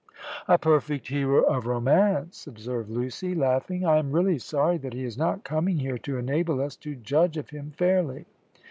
"A perfect hero of romance," observed Lucy, laughing; "I am really sorry that he is not coming here to enable us to judge of him fairly."